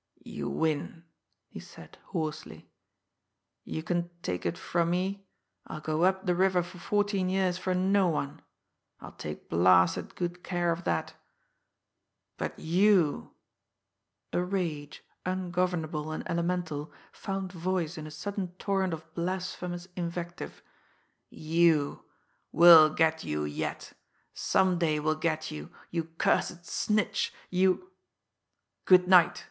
"You win," he said hoarsely. "You can take it from me, I'll go up the river for fourteen years for no one I'll take blasted good care of that! But you" a rage, ungovernable and elemental, found voice in a sudden torrent of blasphemous invective "you we'll get you yet! Some day we'll get you, you cursed snitch, you " "Good night!"